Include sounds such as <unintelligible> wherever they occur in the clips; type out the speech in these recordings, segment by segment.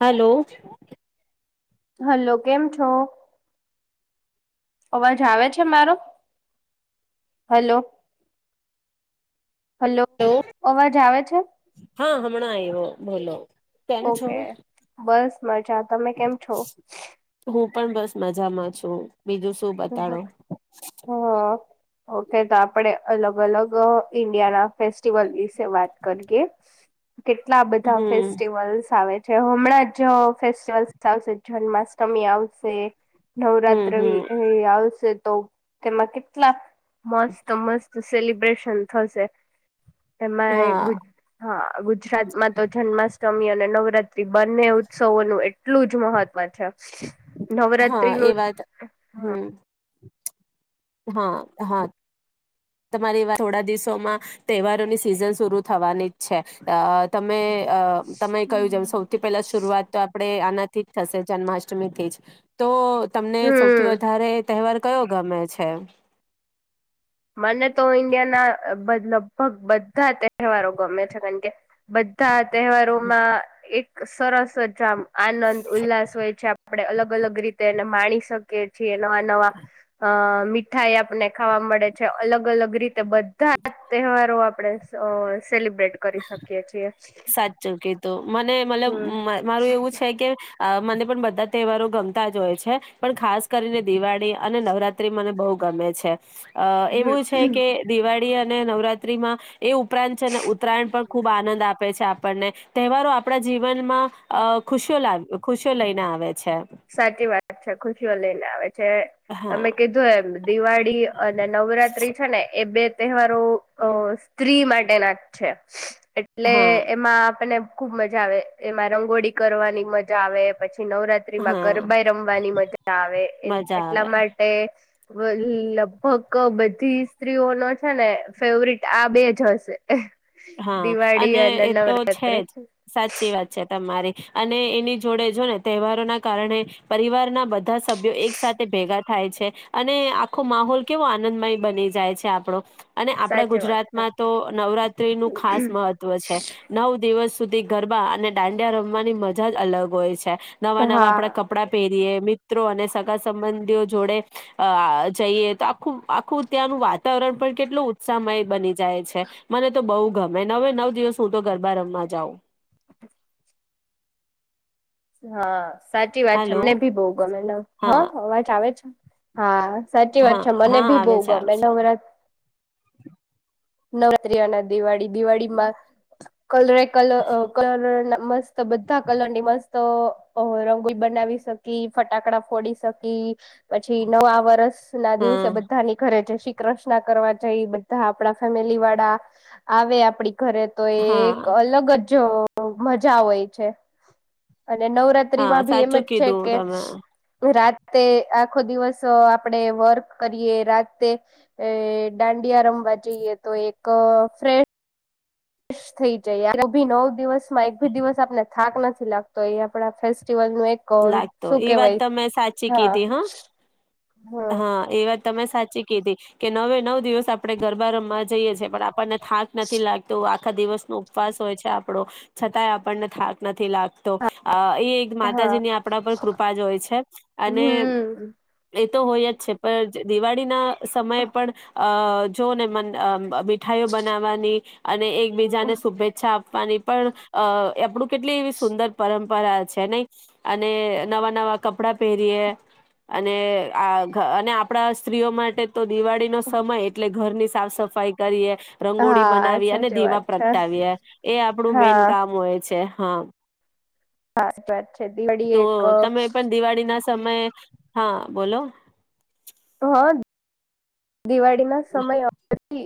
Hello hello કેમ છો અવાજ આવે છે મારો હલો હલો અવાજ આવે છે. હમણા આયવો બોલો કેમ છો ઓકે બસ મજા તમે કેમ છો હું પણ બસ મજામાં છું. બીજું શું બતાડો હા ઓકે તો આપણે અલગ અલગ ઇન્ડિયાના ફેસ્ટિવલ વિશે વાત કરીએ. કેટલા બધા હમ ફેસ્ટિવલ્સ આવે જે હમણાં જ ફેસ્ટિવલ્સ આવશે જન્માષ્ટમી આવશે હમ નવરાત્ર વિ હમ આવશે તો તેમાં કેટલા મસ્ત મસ્ત સેલિબ્રેશન થશે હા એમાં હા ગુજરાતમાં તો જન્માષમ અષ્ટમી અને નવરાત્રી બંને ઉત્સવો નું એટલું જ મહત્વ છે નવરાત્ર્રી નું હમ્મ હા હા તમારે એવા થોડા દિવસોમાં તહેવારોની સિઝન શરુ થવાની જ છે અ તમે અ તમે કહ્યું જેમ હમ. સૌથી પહેલા શરૂઆત તો આપેડે થી જ થશે જન્માષ્ટમીથી જ તો તમને સૌથી હમ. વધારે તહેવાર કયો ગમે છે મને તો ઈન્ડિયા ના લગભગ બધા તહેવારો ગમે છે કારણ કે બધા તહેવારોમાં એક સરસ જામ આનંદ ઉલ્લાસ હોય છે આપણે અલગ અલગ રીતે એને માણી શકીએ છીએ નવા નવા અ મીઠાઈ આપને ખાવા મળે છે અલગ અલગ રીતે બ બધા તહેવારો આપ આપણે સ સેલિબ્રેટ કરી શકીએ છીએ સાચું કીધું મને મતલબ હમ મારું એવું છે કે અ મને પણ બધા તહેવારો ગમતા જ હોય છે પણ ખાસ કરીને દિવાળી અને નવરાત્રી મને બઉ ગમે છે અ એવું છે હમ કે દિવાળી અને નવરાત્રીમાં એ ઉપરાંત છે ને ઉત્તરાયણ પણ ખુબ આનંદ આપે આપે છે આપણને તહેવારો આપણા જી જીનમાં અ ખુશીઓ લાવ ખુશીઓ લઈને આવે છે સાચી વાત છે ખુશીઓ લઈ ને આવે છે છે તમે હા કીધું એમ દિવાળી અને નવરાત્રી છે ને એ બે તહેવારોો અ સ્ત્રી માટે ના છે એટલે હા એમાં આપને ખુબ મજા આવે એમાં રંગોળી કરવાની મજા આવે પછી નવત્રીમાં હા ગરબાાઈ રમવાની મજા આવે મજા આવે એટલા માટે લગભગ બધી સ્ત્રીઓ નો છે ને ફેવરિટ આ બે જ હશે હા દિવાળી અને એ તો છે નવરાત્રી જ સાચી વાત છે તમારી અને એની જોડે જો ને તહેવારો ના કારણે પરિવારના બધા સભ્યો એક સાથે ભેગા થાય છે અને આખો માહોલ કેવો આનંદમય બની જાય છે આપડો અને આપણા સાચી વાત છે. ગુજરાતમાં તો નવરાત નું ખાસ મહત્વ છે નવ દ દિવસ સુધી ગરબા અને દાંડિયા રમવાની મજા જ અલગ હોય છે નવા નવા હા આપણા કપડા પહે મિત્રો અને સગા સંબંધીઓ જોડે જઈએ તો આખું આખું ત્યાંનું વાતાવરણ પણ કેટલું સમય બની જાય છે મને બહ ગમે નવે નવ દિવસ હું તો ગરબા રમમાં જાઉં હા સાચી વાત છે હેલો મમને ભી બહુ ગમે ન હા અવાજ આવે છે હા સાચી વાત હા છે મને હા ભી બહુ આવે છે આવે ગમે છે નવરાતી નવરાત્રિયાના દિવાળી દિવાળીમાં કલરે કલ કલર ના મસ્ત બધા કલરની મસ્ત તો રંગોઈ બનાવી શકી ફટાકડા ફોડી શકી પછી નવા વરષ ના દિવસે હા બધાની ઘરે છે શ કૃ્ના કરવા જાય એ બધા આપ ફેમિલી વાળા આવે આપડી ઘરે તો એક હા અલગ જ જો મજા હોય છે અને હા નવરાત્રીમાં ભી એમ સાચું જ છે કીધું કે તમે રા તે આખો દિવસ આપડે વર્ક કરીએ રાતે એ દાંડિયા રમવા જઈએ તો એક ફેશ શ થઇ જાય ભી નવ દિવસ માં એક ભી દિવસ આપને થાક નથી લતો એ આપડા ફેસ - જીવન નું એક લાગતો શું એ વાત કેવાય તમે સાચી હા કીધી હમ હા એ તમે સાચી કીધી કે નવે નવ દિવસ આપણેે ગરબા રમવા જઈએ છીએ પણ આપણે થાક નથી લાગતો. આખા દિવસ નો ઉપવાસ હોય છે આપડો છતાંય આપણને થાક નથી લાગતો એ એક મા હા માતાજીની આપણા પર કૃપા જોય છે અને. હમ તો હોય જ છે પણ દિવાળીના સમય પણ અ જોને મન અ બ મીઠાઈઓ બનાવવાની અને એક બીજાને શુભેચ્છા અને એ પણ અ આપણું કેટલી એવી સુંદર પરંપરા <unintelligible> છે નહી અને નવા નવા કપડા પહેરીએ અને આ અને આપણા સ્ત્રીઓ માટે તો દિવાળી નો સમય એટલે ઘરની સાફ સફાઈ કરએ રંગોળી હા બનાવીએ અને સાચી વાત દીવા છે પ્રગટાવીએ એ આપણું મેન હા કામ હોય છે. હા હા <unintelligible> છે દિવાળી એક સમય હા બોલો, હ દિવાળી ના સમયથી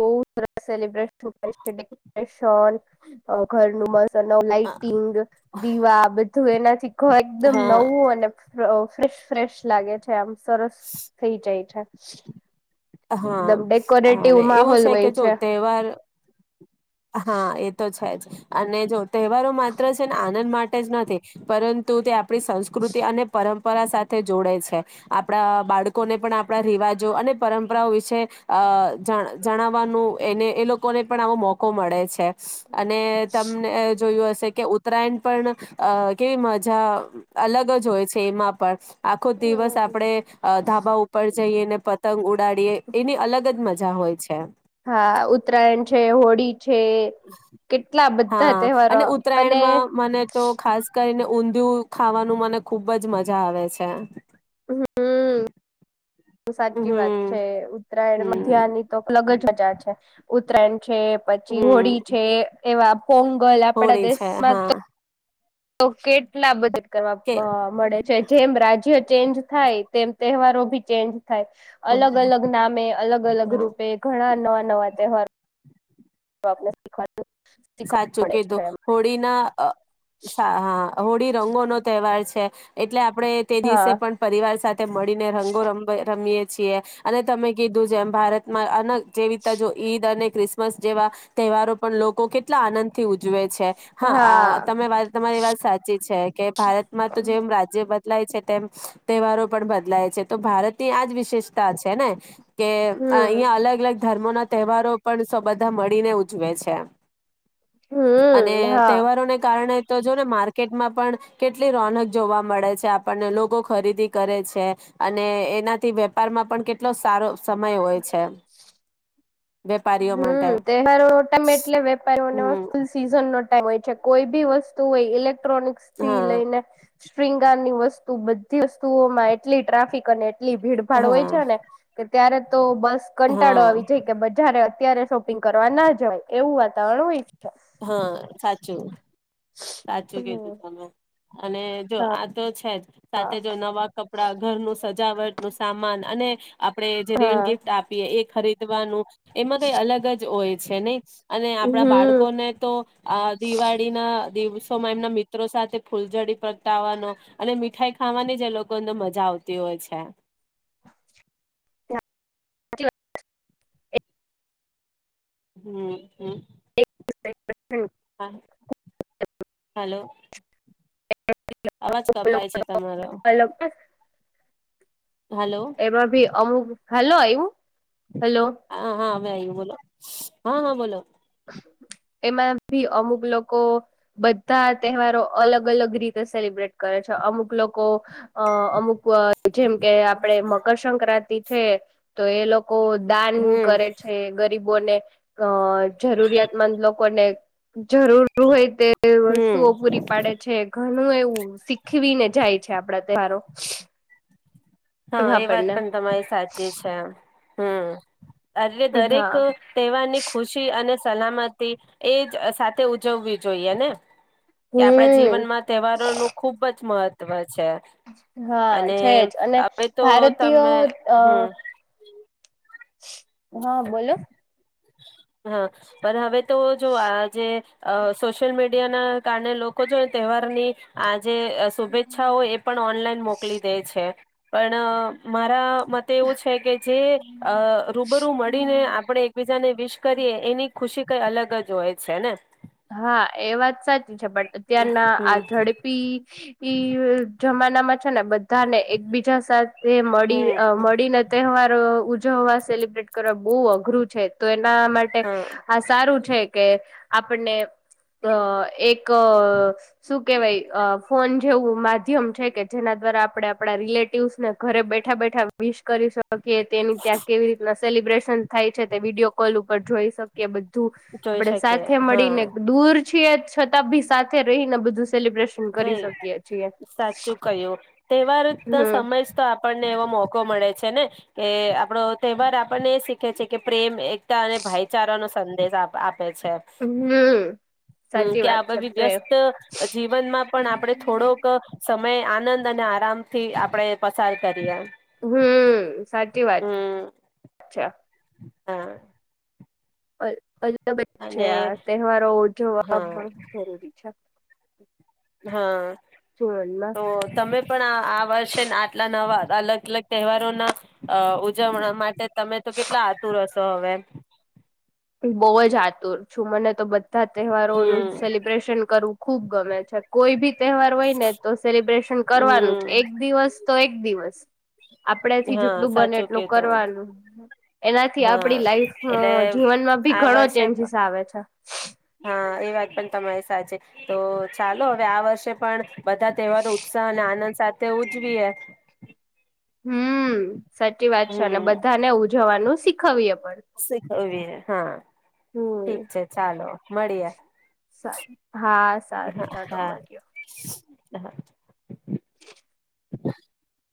બહુ સરસ સેલિબ્ર સુપ ડેકોરેશન અ ઘરનું મસ્ લાાઈટિંગ દીવા બધું એનાથી એકદમ હા નવું અને જોઓ ફ્રેશ ફ્રેશ લાગે છે આમ સરસ થઈ જાય છે શીઈ અહા અને એવું માહોલ છે કે હોય જો તહેવાર હા એ તો છે જ અને જો તહેવારો માત્ર છે ને આનંદ માટે તેજ નથી પરંતુ તો આપણી સંસ્કૃતિ અને પરંપ પરા સાથે જોડે છે આપણા આ બાળકોને પણ આપણા રિવાજો અને પરંપરાઓ વિશે અ જણ જણાવવાનું એને એ લોકોને પણ આવો મોકો મળે છે અને તમનેએ જોયું હશે કે ઉત્તરાયણ પણ અ કેવી મજા અ અલગ જ હોય છે એમાં પણ આખો દિવસ હમ. આપડણે અ ધાબા ઉપર જઈએને તંલ ગુડ ગાડીએ એની અલગ જ મજા મજા હોય છે હા ઉત્તરાયણ છે હોળી છે કેટલા બધા હા તહેવારો અને અને ઉત્તરાયણમાં મને તો ખાસ કરીને ઊંધિયું ખાવાનું મને ખુબ જ મજા આવે છે હમ હું હું બ સાચી વાત છે હમ ઉત્તરાયણ મધ્યહા હમ ની તો અલગ જ મજા છે ઉત્તરાયણ છે પછી હમ હોળી છે એવા પોંગલ આપડા હોળી છે દેશમાં હા તો તો કેટલા બધા કહેવામ કે મા મળે છે જેમ રાજ્ય ચેન્જ થાય તેમ તહેવારો ભી ચેન્જ થાય અલગ હા અલગ નામે અલગ અલગ રૂપે ઘણા નવા નવા તહેવાર તો આપણે શીખવાડે સાચું કીઘુ હોળી ના અ સાહ હોળી રંગો નો તહેવાર છે એટલે આપણેે તે દિવસે હા પણ પરિવાર સાથે મળીને રંગો રમે રમીએ છીએ અને તમે કીધું જેમ ભારતમાં અને જેવીતા જો ઈદ અને ક્રિસ્ બસ જેવા તહેવારો પણ લોકો કે એટલા આનંદ થી ઉજવે છે હા તમે વા તમારી વાત સાચી છે કે. ભારત માં તો જેમ રાજ્ય બ. બદલાય છે તેમ તહેવારો પણ બદલાય છે તો ભારતની આજ વિશેષતા છે ને. કે અ હમ હિયા અલગ અલગ. ધર્મો ના તહેવારો પણ સો બધા મળીને ઉજવે છે. અને હમ હા તહેવારોને કારણે. તો જોને માર્કેટમાં પણ કેટલી રોનક જોવા મળે છે આપણને લોકો ખરીદી કરે છે અને એનાથી વેપારમાં પણ કેટલો સારો સમય હોય છે. <inaudible> વેપારીઓ માટે હમ તહેવાર ઓટામે એટલે. હમ ફ સીઝન ન. હોય છે કોઈ બી વસ્તુ હોય ઇલે્ટ. ્ટ્રોનિકસ થી હા લઈને. શુગારની વસ્તુ બધી વસ્તુઓમાં એટલી ટ્રાફિક અને. કેટલી ભીડભાડ હોય હા છે ને કે. ત્યારે તો. બસ કંટાળો હા આવી જાય કે બધ. અત્યારે શોપિંગ કરવા ના જ હોય એવું વાતાવરણ હોય. છે. હા સાચું. સાચું કીધું તમે. અને જો આ તો છે જ. હા સાથે જો નવા કપડા ઘરનું. સજાવટ નું સામાન અને. આપડે જે રિટન હા ગિફ્ટ આપીએ એ ખરીદ. વાનું એમાં કઈ અલગ જ હોય છે નહી. અને આપણા બાળકો. હમ ને તો આ દિવાળી ના. દિવસોમાં એમના મિત્રો સાથે ફૂલઝડી પતાવાનો અને મીઠાઈ ખાવાની જ એ લોકો અંદર મજા આવતી હોય છે. <inaudible> હમ હમ. <inaudible> હા હલોો. અવાજ કપાય છે તમારો હાલો એમાં ભી અમુક હલો એવું હેલો <inaudible> બોલો હહ હહ બોલો એમાં ભી અમુક લોકો બધા તહેવારો અલગ અલગ રીતે સેલિબ્રેટ કરે છે. અમુક લોકો અ અમુક જેમ કે આપડે મકરસક્રાંતિ છે. તો એ લોક કો દાન હમ કરે છે ગરીબ બોને ક જરૂરિયાતમંદ લોકોને જરૂર હોય તે હમ વસ્તુઓ પૂરી પાડે છે. ગર હમ એવું શીખવીને જાય છે આપડા તહેવારો હહ એ વાત આપણને પન તમારી સાચી છે એમ અરે દરેક હા તહેવારની ખુશી અને સલામતી એજ સાથે ઉજવવી જોઈએ ને? કે આપણા હમ જીવનમાં તહેવારોનું ખુબ જ મહત્ <inaudible> હા છે જ અને હવે તો ભારતીય તમે અ હમ <inaudible> હહ બોલો હહ પર હવે તો જો આજે અ સોશિયલ મીડિયાના કારણે લોકો જો તહેવારની આ જે અ હમ શુભેચ્છા હોય એ પણ ઓનલાઈન મોકલી દે છે. પણ મારા મતે એવું છે કે જે અ હમ રૂબરૂ મળીને આપણે એકબીજાને વિશ કરીએ હા એની ખુશી કઈ અલગ જ હોય છે ને. હા એ વાત સાચી છે. પણ અત્યારના આ હમ ઝડપી ઈ જમાનામાં છે ને બધ બધાને એકબીજા સાથે મળી અ હમ મળીને તહેવાર ઉજવવા, સેલિબ્રેટ કરવા બહુ અઘરું છે તો એના માટે હા આ સારું છે કે આપ આપણને અ એક ક શું કેવાય ફોન જેવું માધ્યમ છે કે જેના દ્વારા આપણે આપણા રિલેટિવસ ને ઘરે બેઠા બેઠા વિ કરી શકીએ તેની ત્યાં કેવી રીતના સેલિબ્રેશન થાય છે તે વિડીયો કોલ ઉપર જોઈ શકીએ બધ ધુ જોઈ આપણેે શકીએ સાત હા મળીને દૂર છીએ છતાં ભી સાથે રહીને બધું સેલિબ્રેશન કરી રહી શકીએ છીએ સાચું કહ્યું તહેવાર ના હમ સમય જ તો આપણને એવો મોકો મળે છે ને કે આપણો તહેવાર આપણને એ શીખે છે કે પ્રેમ એકતા અને ભાઈચારાનો સંદેશ આપ પે છે હમ હમ સાચી કે વાત આપણે છે બી પ્રેમ વ્યસ્ત જી જીવનમાં પણ આપે થોડોક અમે આનંદ અને આરામથી આપણે પસાર કરીએ. હમ સાચી વાત હમ અચ્છા હા અ અજુ બ છે અને આ તહેવારો ઉજવવા હા પણ જરૂરી છે. હા જીવનમાં તો તમે પણ આ વર્ષે આટલા નવા અલગ અલગ તહેવારો ના અ ઉજવણા માટે તમે તો કેટલા આતુર હશો તો હવે બહુજ આતુર છું મને તો બધ ધા તહેવારોનું હમ સેલિબ્રેશન કરુ ખુબ ગમે છે કોઈ બી તહેવાર હોય ને તો સેલિબ્રેશન કરવાનું જ હમ એક દિવસ તો એક દિવસ આપડેથી હા જેટલું બને સાચું એટલું કીધું કરવાનું એનાથી હા આપડી લાઈફ એટલે જીવનમાં ભી આ ઘણો વર્ષે ચેન્જીસ આવે છે. હા એ વાત પણ તમારી સાચી તો ચાલો હવે આ વર્ષે પણ બધા તહેવારો ઉત્સાહ અને આનંદ સાથે તે ઉજવી એ હમ સાચી વાત છે અને બધા ને ઉજવવાનું સીખ હવે અપ શીખવીએ. હૈ હા. ઠીક હમ્મ, છે ચાલો મળીએ સા હા, સારું, હા ચાલો મળીએ. હા. હા.